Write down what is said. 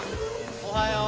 おはよう。